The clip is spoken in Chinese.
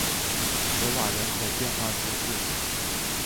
索瓦人口变化图示